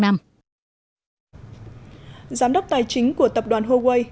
giám đốc tài chính của tập đoàn huawei